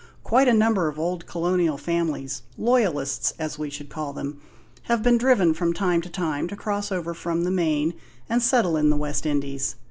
Quite a number of old Colonial families loyalists, as we should call them have been driven from time to time to cross over from the Main and settle in the West Indies.